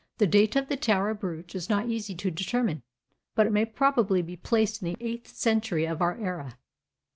The date of the Tara Brooch is not easy to determine, but it may probably be placed in the eighth century of our era.